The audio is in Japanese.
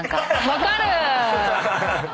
分かる。